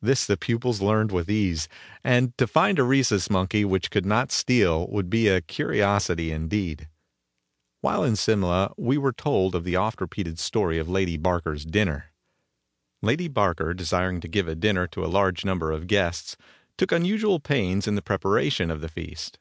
This the pupils learned with ease, and to find a Rhesus Monkey which could not steal would be a curiosity indeed. While in Simla we were told the oft repeated story of Lady Barker's dinner. Lady Barker, desiring to give a dinner to a large number of guests, took unusual pains in the preparation of the feast.